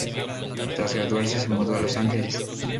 Tras graduarse se mudó a Los Ángeles.